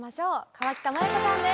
河北麻友子さんです！